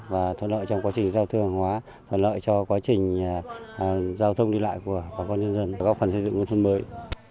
và thuận lợi trong quá trình giao thương hàng hóa thuận lợi cho quá trình giao thông đi lại của bà con dân dân góp phần xây dựng nguồn thuận mới